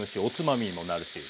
おつまみ。